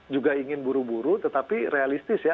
juga ingin buru buru tetapi realistis ya